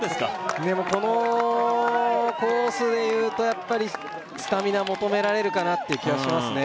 いやでもこのコースで言うとやっぱりスタミナ求められるかなっていう気はしますね